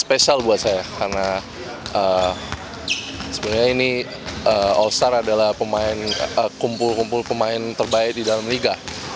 spesial buat saya karena sebenarnya ini all star adalah pemain kumpul kumpul pemain terbaik di dalam liga